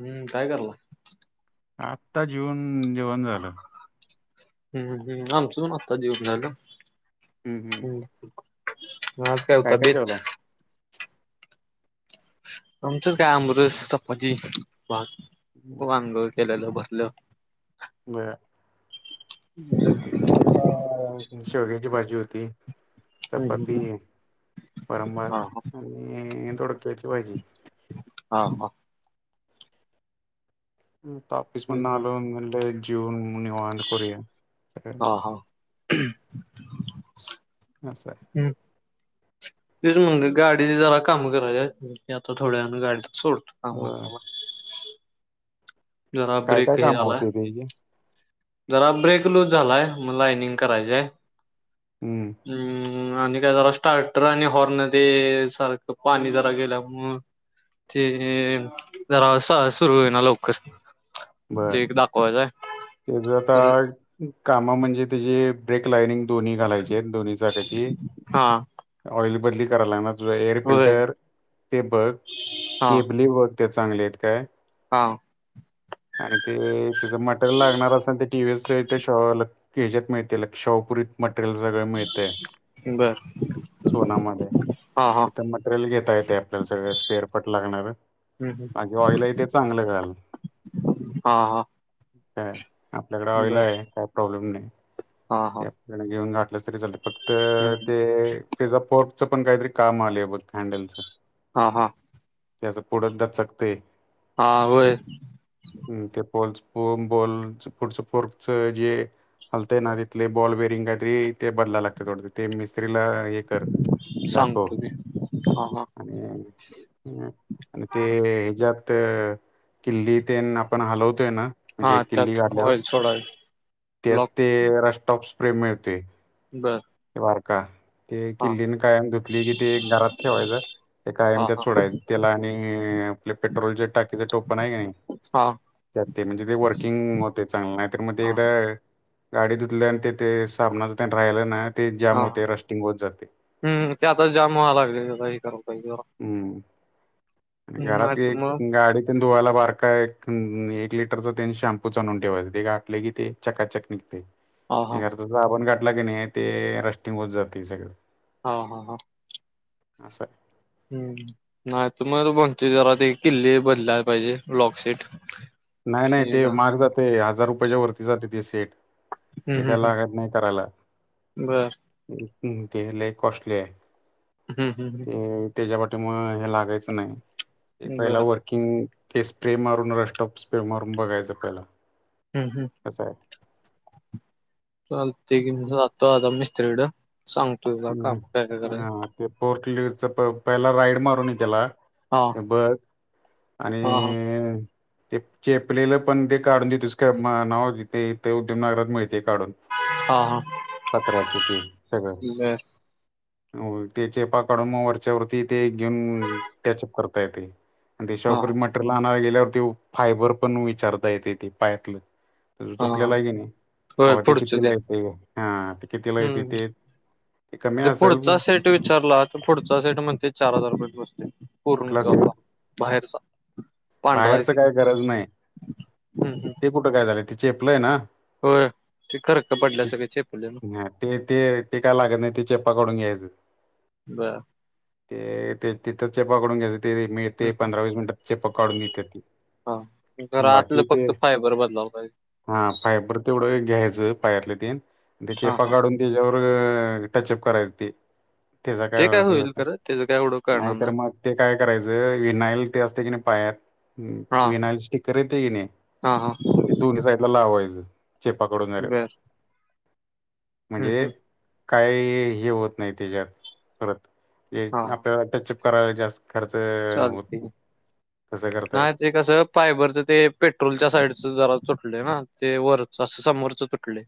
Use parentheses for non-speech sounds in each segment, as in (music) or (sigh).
हम्म काय कलं आत्ता जेवन जेवण झालं हम्म हम् आमच दून आत्ता जीवन झालं हम्म हम्म हम् माज काय होता बीच आमच काय आंब सपाजी भाग आंघ केलेला बसलं ब आमच्यात आता शेवग्याची भाजी होती हा चपाती हा परंभात आणि थोडक्यायची पाहिजे हा ह तापस म्हणलो जवून मु निवा कोिया हा हा हा सर हम्म तेच म्हणज गाडी जरा काम करायच आता थोड्या गाडी सल आ होय काय काय कामं झालाय होते तेजे जरा ब्रेक लूज झालाय मग लाइनिंग करायचयम् हम्म आणि काय जरा स्टार्टर आणि हॉर्नध्ये सारखं पाणी जरा गेल्यामु ते जरा सुरू होई ना लवकर बर क दाकयज त्याच आता काम म्हणजे त्याची ब्रेक लाईनिंग दोन्ही घालायचे दोन्ही चाकााची हा ऑइल बदली कराय लागणार जो एअर होय फिल्टर ते बघ हा केबली बघ ते चांगले आहेत काय हा आणि ते त्याचं मटेरियल लागणार असेल ते टीव्ही ते शॉर ह्याच्यात मिळतील क्षवपुरीत मटेरियल सगळे मिळते बर सोनामध्ये हा हा इथ मटेरियल घेता येते आपल्याला सगळ स्वेअरफट लागणार हम्म माजे ऑइल आहे ते चांगलं घाल हा हा य आपल्याकडे ऑईल बर आहे काय प्रॉब्लेम नाही हा हा ते आपल्याकडे घेऊन गठ तरी चालत फक्त हम्म ते फ पोर्ट च पण काहीतरी काम आले बघ हँडलच हा हा त्या पुढ एकदा चकते हा होय हम् ते प ब पुचोर्च जे हलते ना तिथले बॉल बेरिंग काहीतरी ते बदय लागते थोड ते मि ला येकर दाखव सांगतो की हा हा आणि आणि ते हिजात किल्ली ते आपण हलवतो म्हणजे हा किल्ली त्यात गल्यावर ऑइल सोडावी त्या ब्लॉक प्रेम मिळते बर का ते हा किल्लीने काय धुतली कि ते घरात ठेवायचं ते हा कायम त्यात हा सोडायचं त्याला आणि आपले पेट्रोलचे टाकीचे टोपण आहे का नाही हा त्यात ते म्हणजे ते वर्किंग होते चांगले नाही तर मध्ये हा एकदा गाडी धुतल्या आणि ते ते सामना ज राहिलं ना ते जॅम होते रस्टिंग होत जाते हम् त्यातच जाम व्हाला लागले का कराय पाहिजे राव. हम्म आणि घरात एक गाडी तेन धुवायला बारका हाय. एक लिटरचा तेन शॅम्पू च आणवून ठेवायचं ते गातले की ते चकाचक निघते. हा हा घरचा साबण घातला कने ते रस्टिंग होत जातय सगळं. हा-हा-हा. असाय. हम्म. नाही तर मग म्हणतोय जरा ते किल्ले बदलाय पाहिजेत लॉक सेट. नाही-नाही ते बर महाग जाते हजार रुपयाच्या वरती जाते ते सेट. हम्म ते काय हम्म लागत नाही करायला. बर हम ते लई कॉस्टली हाय. हम्म-हम-हम. त्याचज्या पाठी मागं हे लागायचं नाही ते बर पहिला वर्किंग ते स्प्रे मारून रस्ट ऑप मारून बघायचं कला हम्म हम! चालते की मं आहे. जातो आता मी कडं ह ह. ते पोर्ट ले प पहिला राईड मारू ये त्याला हा बघ हा हा आणि ते चेपलेलं पण ते काढून देतोस का म्हणावं ते इथे उद्यवनगरात मिळत ते काढून. हा हा पात्र्याच तेन सगळं बर (unintelligible) हो ते चेपा काढून मग वरच्या वरती ते घेऊन टॅचअप करता येतय. आणि हा त्याच्यावरपर हा मटेरियल आणायला गेल्यावरती फायबर पण विचारता येतय, पायातलं. तुझ हा तुटलेलं हाय की नाही? होय हो ते पुढचं कितीला येतय. हा ते कितीला येतय हम्म ते कमी ते असेल पुढचा सेट विचारला तर, पुढचा सेट म्हणते चार हजार रुपय बसते. पूर्ण कुठला तो आपला सेट? बाहेरचा पांढरा आहे बाहेरच ते काही गरज नाही. हम्म हम्म ते कुठं काय झालंय ते चेपलंय ना? होय खरक पडल्या सगळे चेपले ना ह ते-ते-ते काय लागत नाही ते चेप्पा काढून घ्यायचं. बर ते ते तिथं चेपा काढून घ्यायचं ते हम्म मिळतय हम्म पंधरा वीस मिनिटात चेपा काढून देत्यात ती. घर आतलं बाकी ते फक्त फायबर बदलावं पाहिजे हा फायबर तेवढं घ्यायचं पायातलं तेन ते हा चेपा हा काढून त्यज्यावर टचअप करायचं ते त्यजा ते काय हे होईल होत खरं त्याचं काय एवढं कळणार नाही ना तर मग ते काय करायचं विनाईल ते असते की नाही पायात हम् हा विनाया स्टिकर येतंय कने हा हा ते दोन्ही साईडला लावायचं. चपा काडून झाल्यावर. बर हम्म म्हणजे हम्म काही हे होत नाही त्यज्यात परत हा हा आपल्याला टचअप करायला जास्त खर्च होत चालतंय तसं करता नाही ते कसं पायबरचं ते पेट्रोलच्या साईडचं जरा. तले ना ते वरच असं समोरच तुटलय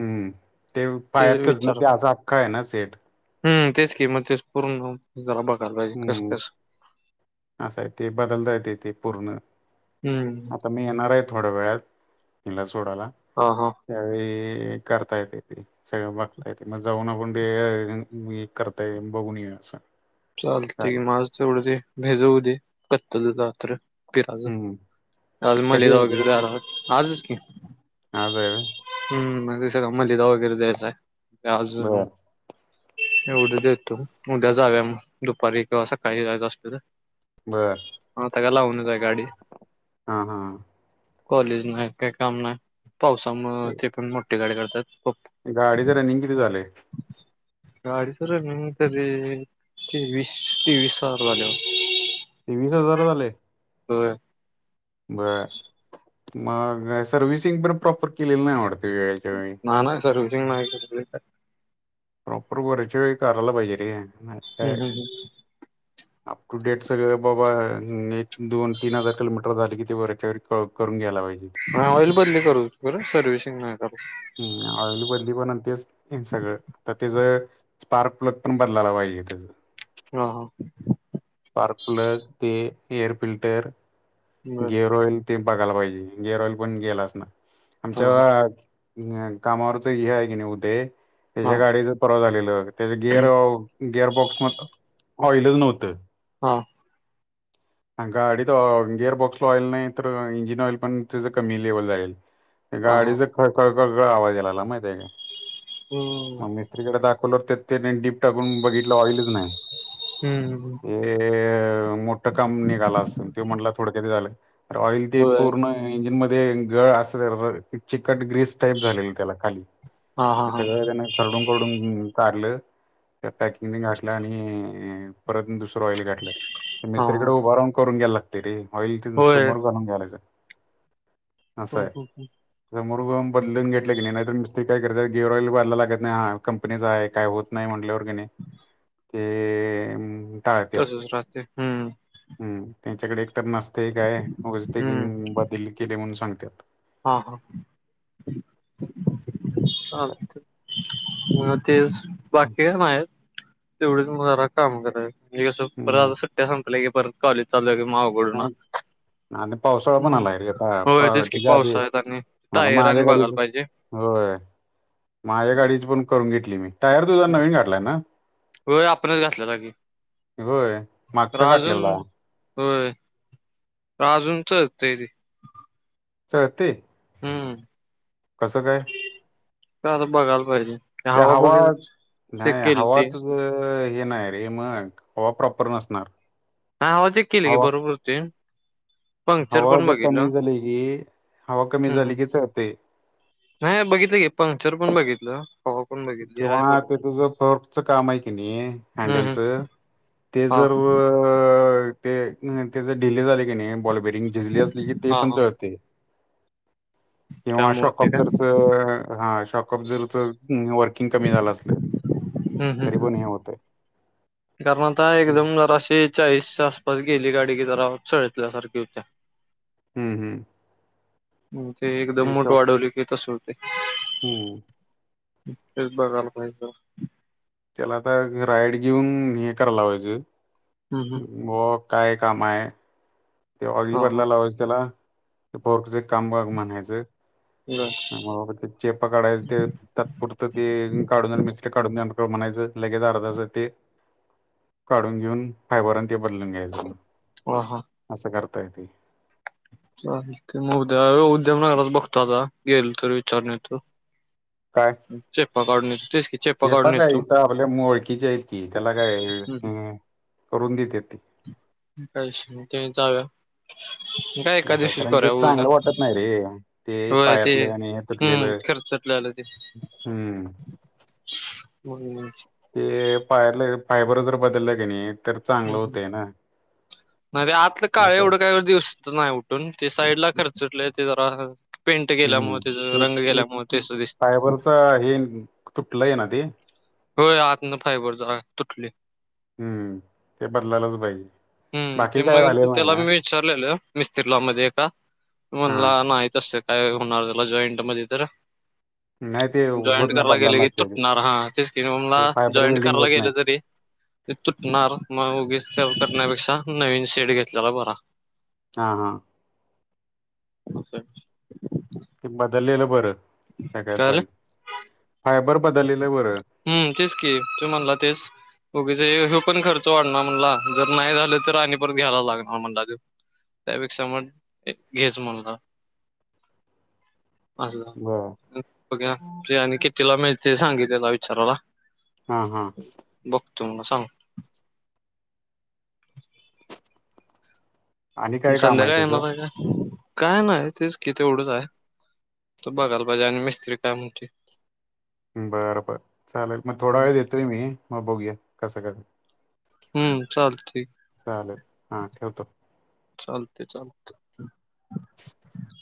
हम्म! ते पायातलंच ना ते असा अख्खं आहे ना सेट. हम्म तेच कि मत ते पूर्ण जरा बघायला पाहिजे कसं कस? असा आहे तेे बदलता य तेे पूर्ण हम्म आता मी येणार हाय थोड्या वेळात, हिला सोडाला हा हा त्यावेळी ते करता येते ते सगळं बघता येतय. मग जाऊन आपण ते करता ये बघून ये अच्छा. चालतेय माझं तेवढं ते भेजवू दे कत्तल रात्र फिराचं हम्म आज कधी मलिदा वगैरे झाला, आजच की. असं. हम्म मगसम लि वगैरे दच आहेज. बर एवढं देत तो उद्या जाव्याग दुपारी किंवा असं काही जायच असत? बर. होलाऊन जा. हा हा. कॉलेज नाही काय काम नाही पावसामुळे ते पण मोठे गाडे करतात. गाडीच रनिंग किती झालेय? गाडीच म तरी तेवीस तेवीस हजार झालेवर? ते वीस हजार झालेल. हो. बं मग सर्विसिंग पण प्रॉपर केलेलं नाही आवडत. ते. मग. प्रॉपर गरच कराला पाहिजे रे. नाही काय हम्म हम् हम्. अप टू डेट सगळ बाबा एक दोन तीन हजार किलोमीटर झाले किती वऱच्या ववर करून ग्यायला पाहिजे. ऑइल बदली करू बर सर्वि्हसिंग नाही करू? हम् ऑईली बदली पण तेच सगळं आता त्याच स्पार्क प्लग पण बदलाला पाहि. तेठीकेत. हा हा. पार्क प्लग ते एअर फिल्टर बर गिअर ऑइल. ते बघायला पाहिजे गेरऑईल पण गेलाच ना हा आमच्या, हा अ कामावरच हे आहे की नाही उदे त्याच्या हा गाडीच परवा झालेलं त्याचे गिअर गिअर बॉक्स मध्ये ऑईलच नव्हतं. हा. ग अडी तर गिअर बॉक्सला ऑइल नाही तर इंजिन ऑइल पण त्याच कमी लेवल जालेल? हा हा गाडीचळकळळ आवाजेला आला माहीती आहे का? हम्म मग मिस्त्रीकडे दाख. लर डीप टाकून बघितला ऑइलच नाही! हम्म ये रॉल ते होय पूर्ण इंजिन मध्ये. गळ अस चिकट ग्र्रीस टाईप झालेलं त्याला खाली. हा हा ते हा सगळं त्यांना खरडून करडून कारलं. त्या पॅकिंग घातठल्या आणि परत दुसरं ऑइल घाातलं हा मिस्त्रीकडे हा उभ राहून. करून घ्यायला लागते रे होईल होय समोर घणून घ्यायच. हो हो हो... बदलून घेत की नाही तरर मिस्त काय करत गेअरल बयला लागत नाही हा कंपनीचचा आहे काय होत नाही म्हण. र गेणे ते. टाळत्यात. तसच राहते. हम्म त्यांच्याकडे एकतर नसते काय वजते की बदल केले म्हणून सांग. हां हा. असं आहे अ तेज. बाकी का सनाय तेवढीचमजारा काम हम्म कररास सुट्ट्या संपलेे. बरॉले चाललं. नाही ना पावस. स पण म्हणून आला रेता होय तेच की त्याच्या आधी पावसाळ्यात आणि आता टायर माझ्या आणि घाडीच. बघायला पाहिजे. होय माझ्या गाडीची पण करून घेतली मी टायर तुझा नवीन गाठलाय ना. होय आपणच घातल्या जागी होय तर मागचा अजून. घातलेला. होय अजूनच तेरी. सती. कसं काय. का आता बघायला पाहिजे त्या हवा चेक नाही केली ते हवाच नाही रे मग ह प्रॉपर नसणार हा आवाजक केले गी हवा बरोबर ते हवा जर कमी झाली की हवा कमी हम्म हम्म झाली की चते नाही बघितलं गे पंक्चर पण बघित किंवा ते तुझं फोटच काम आहे की नाही हम्म हम्म हॅडेलचं ते हा जर अ ते त्या ढिले झाले की नाही बॉलबेरिंग ढिजली असली की ते हा पण हा चळते किंवा त्यामुळे शॉक ते का अ्जरच हा शॉक अब्जरच व क झा अस तरी पण हे हो कारणता एकदम जराशी चाळीसच्या आसपास गेली गाडी की जराचळतल्यासारखी होत्या हम्म हम्म ते एकदम मोठ वाढवली की तस होते हम्म हे बगलमचा त्याला आता राइड घेऊन हे करायला पाहिजे हम्म हम्म व काय काम आहे ते आगी हा हा. बदला लावायचे त्याला ते फरचे कामबाग म्हणायचं बर मग बा ते चेप काढायचे ते तात्पुरत ते काढून मिस म्ह लगे अर् काून घे बदलून घ्याण हा असं करताय ते चा ते मग उद्या उद्यमनगरात बघतो आता गेल तर विचारणे त काय चेप्पा चेपा काढून काय येतो. इथ आपल्या मोळकीच्या आहे ती त्याला काय हा कैश ते जाव्या काय असं आहे. एकादवशीच कारण की ते कराल का चांगलं वाटत नाही रे हो ते पायातलं आणि हे हम्म तुटलेलं खर्चटलेलं ते हम्म हम् ते पायर फायबर जर बदलला की नाही तर चांगलं होतय ना नाही ते आतलं काळ असं आहे. एवढं काही दिवसत नाही उठून ते साईड ला खर्च सटले त तर पेंट गेल्यामु हम्म त्याच ते रंग गेल्यामु एक तेच दिसत फायबरचा हे तुटलंय ना ते होय आत ना फायबर तुटली हम्म ते बदलालाच पाहिजे हम्म बाकी काय झालेलं नाही ना मिस्त्रीलामध्येध्ये का हा म्हणला नाही तसं काय होणार त्याला जॉईंट मध्ये तर नाही ते जॉईंट होत नाही कराय बदलायला गेले की लागते ते तुटणार हा ते ममला फायबर जॉईंट वेल्डिंग कराला होत गेलं नाही तरी ते तुटणार मग उगीच ते करण्यापेक्षा नवीन शेड घेतलेला बरा हा हा अ बर सगळत कळालं बारी फायबर बदले हम्म तेस की तू म्हणला तेस गे हे पण खर्च वाढणार म्हणला जर नाही झालं तर आणि परत घ्यायला लागणार म्हणला त्यापेक्षा सामज घेच म्हणला (unintelligible) अस बरं बघ फियाणी कितीला मिळते सांगितित त्याला विचाराला हा हा तुम्हाला सांग आणि काय काम आहे संध्याला त्याचं येणारग काय नाही तेच किती एवढंच हाय आता बघायला पाहिजे आणि मिस्त्री काय म्हणतोय. बरं बर चालेल. मग थोडा वेळ देतोय मी मग बघूया कसं कस. हम्म चालतंय चालेल. हा ठेवतो. चालतेयं, चालतयं. (unintelligible)